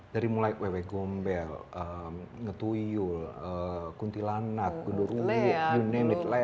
dari mulai wewe gombel ngetuyul kuntilanak gendur ruyuk you name it